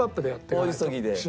大急ぎで。